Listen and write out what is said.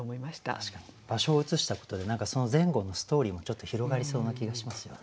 確かに場所を移したことでその前後のストーリーもちょっと広がりそうな気がしますよね。